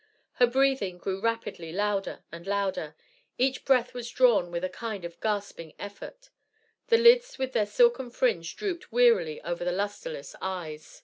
Her breathing grew rapidly louder and louder. Each breath was drawn with a kind of gasping effort. The lids with their silken fringe drooped wearily over the lustreless eyes.